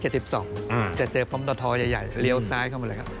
จะเจอพร้อมตะทใหญ่เลี้ยวซ้ายเข้ามาเลยครับ